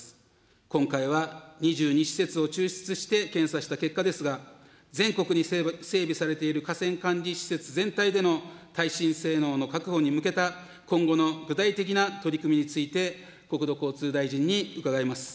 今回は２２施設を抽出して検査した結果ですが、全国に整備されている河川管理施設全体での耐震性能の確保に向けた今後の具体的な取り組みについて、国土交通大臣に伺います。